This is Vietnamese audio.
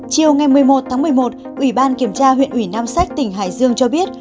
chiều ngày một mươi một tháng một mươi một ủy ban kiểm tra huyện ủy nam sách tỉnh hải dương cho biết